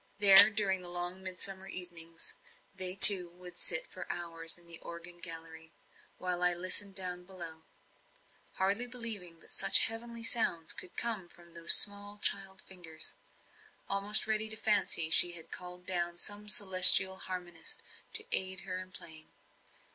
There during the long midsummer evenings, they two would sit for hours in the organ gallery, while I listened down below; hardly believing that such heavenly sounds could come from those small child fingers; almost ready to fancy she had called down some celestial harmonist to aid her in playing.